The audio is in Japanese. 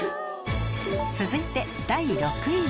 続いて第６位は